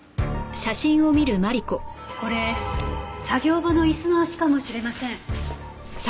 これ作業場の椅子の脚かもしれません。